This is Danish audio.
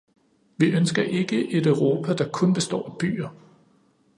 Vi ønsker ikke et Europa, der kun består af byer.